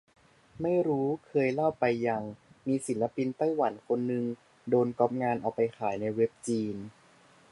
ไม่รู้เคยเล่าไปยัง มีศิลปินไต้หวันคนนึง โดนก็อปงานเอาไปขายในเว็บจีน